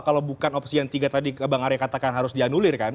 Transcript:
kalau bukan opsi yang tiga tadi bang arya katakan harus dianulir kan